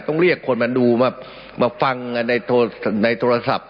ต้องเรียกคนมาดูมาฟังในโทรศัพท์